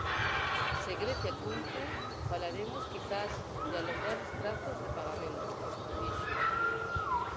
"Se Grecia cumpre, falaremos quizás de alongar os prazos de pagamento", dixo.